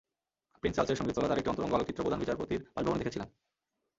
Prince চার্লসের সঙ্গে তোলা তাঁর একটি অন্তরঙ্গ আলোকচিত্র প্রধান বিচারপতির বাসভবনে দেখেছিলাম।